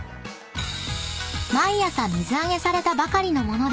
［毎朝水揚げされたばかりの物で］